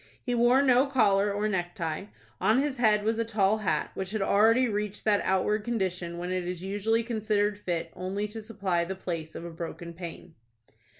He wore no collar or necktie. On his head was a tall hat, which had already reached that outward condition when it is usually considered fit only to supply the place of a broken pane.